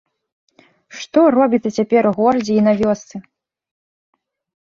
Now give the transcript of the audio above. Што робіцца цяпер у горадзе і на вёсцы!